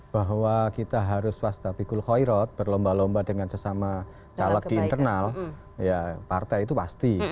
bahwa kita harus wasta bikul khoirot berlomba lomba dengan sesama caleg di internal ya partai itu pasti